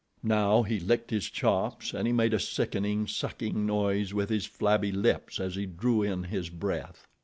Now, he licked his chops, and he made a sickening, sucking noise with his flabby lips as he drew in his breath.